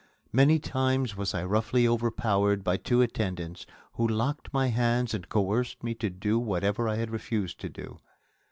Many times was I roughly overpowered by two attendants who locked my hands and coerced me to do whatever I had refused to do.